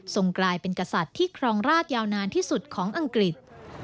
กลายเป็นกษัตริย์ที่ครองราชยาวนานที่สุดของอังกฤษ